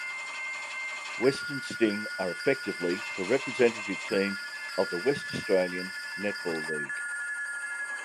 Western Sting are effectively the representative team of the West Australian Netball League.